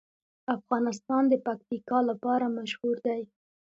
افغانستان د پکتیکا لپاره مشهور دی.